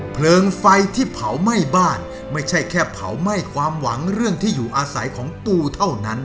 เพลิงไฟที่เผาไหม้บ้านไม่ใช่แค่เผาไหม้ความหวังเรื่องที่อยู่อาศัยของปูเท่านั้น